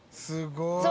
すごい！